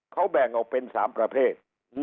เขาแบ่งออกเป็น๓ประเภท